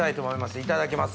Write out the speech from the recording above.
いただきます。